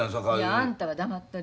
あんたは黙っとり。